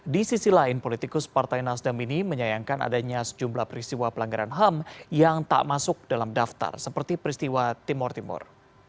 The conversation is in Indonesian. di sisi lain politikus partai nasdem ini menyayangkan adanya sejumlah peristiwa pelanggaran ham yang tak masuk dalam daftar seperti peristiwa timur timur